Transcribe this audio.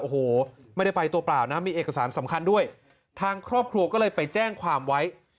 โอ้โหไม่ได้ไปตัวเปล่านะมีเอกสารสำคัญด้วยทางครอบครัวก็เลยไปแจ้งความไว้